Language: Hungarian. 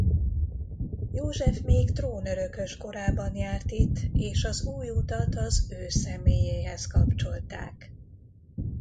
József még trónörökös korában járt itt és az új utat az ő személyéhez kapcsolták.